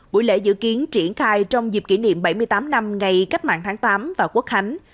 buổi lễ dự kiến triển khai trong dịp kỷ niệm bảy mươi tám năm ngày cách mạng tháng tám và quốc khánh